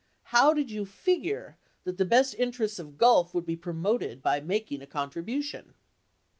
How did you figure that the best in terests of Gulf would be promoted by making a contribution